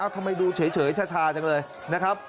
ทำไมดูเฉยชาจังเลยนะครับ